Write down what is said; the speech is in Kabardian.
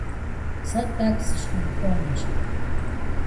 Сэ тӀэкӀу сыщхьэукъуэнщ.